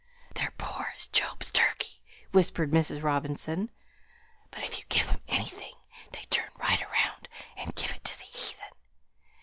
"They're poor as Job's turkey," whispered Mrs. Robinson; "but if you give 'em anything they'd turn right round and give it to the heathen.